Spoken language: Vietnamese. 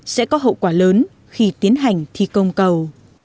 sẽ có hậu quả lớn khi tiến hành thi công cầu